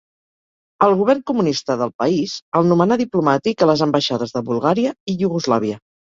El govern comunista del país el nomenà diplomàtic a les ambaixades de Bulgària i Iugoslàvia.